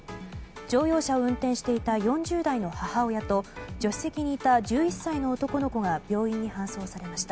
乗用車を運転していた４０代の母親と助手席にいた１１歳の男の子が病院に搬送されました。